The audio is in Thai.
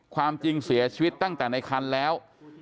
ความจริงเสียชีวิตตั้งแต่ในคันแล้ว